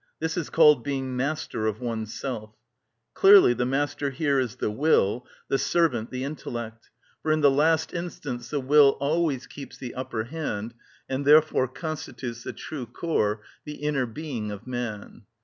This is called "being master of oneself." Clearly the master here is the will, the servant the intellect, for in the last instance the will always keeps the upper hand, and therefore constitutes the true core, the inner being of man.